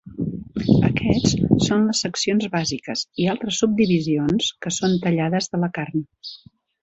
Aquests són les seccions bàsiques i altres subdivisions que són tallades de la carn.